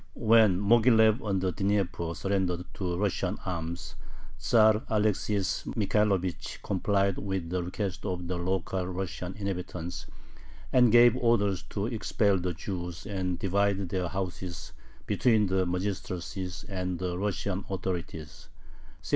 When Moghilev on the Dnieper surrendered to Russian arms, Tzar Alexis Michaelovich complied with the request of the local Russian inhabitants, and gave orders to expel the Jews and divide their houses between the magistracy and the Russian authorities (1654).